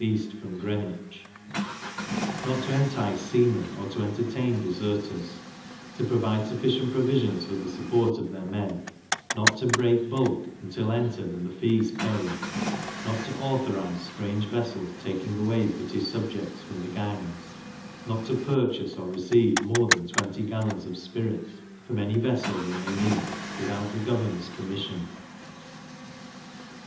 east, from Greenwich; not to entice seamen, or entertain deserters; to provide sufficient provisions for the support of their men; not to break bulk, until entered and the fees paid; not to authorize strange vessels taking away British subjects from the gangs; not to purchase or receive more than twenty gallons of spirits from any vessel they may meet, without the governor's permission.